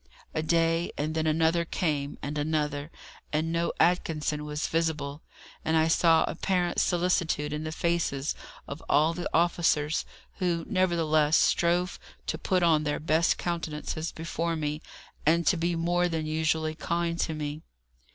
A day, and then another came, and another, and no Atkinson was visible, and I saw apparent solicitude in the faces of all the officers, who nevertheless strove to put on their best countenances before me, and to be more than usually kind to me.